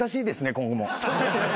今後も。